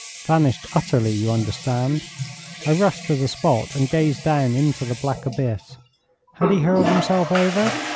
Vanished utterly, you understand. I rushed to the spot, and gazed down into the black abyss. Had he hurled himself over?